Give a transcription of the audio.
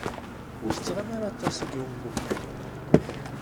Ur tettɣimi ara aṭas deg yiwen n umkan.